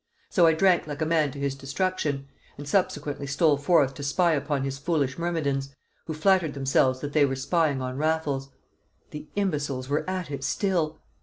So I drank like a man to his destruction, and subsequently stole forth to spy upon his foolish myrmidons, who flattered themselves that they were spying on Raffles. The imbeciles were at it still!